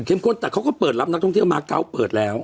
ข้นแต่เขาก็เปิดรับนักท่องเที่ยวมาเกาะเปิดแล้ว